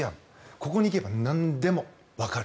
ここに行けばなんでもわかる。